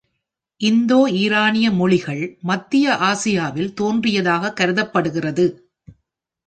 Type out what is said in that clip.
இந்தோ-ஈரானிய மொழிகள் மத்திய ஆசியாவில் தோன்றியதாக கருதப்படுகிறது.